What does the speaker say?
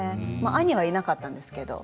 兄はいなかったんですけれど。